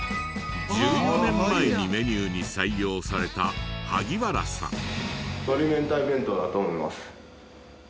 １４年前にメニューに採用された萩原さん。